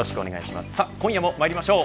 今夜もまいりましょう。